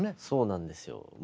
そうなんですよ。